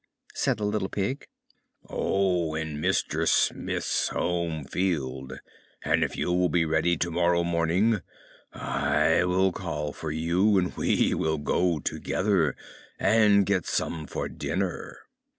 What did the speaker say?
said the little Pig. "Oh, in Mr. Smith's home field; and if you will be ready to morrow morning, I will call for you, and we will go together and get some for dinner."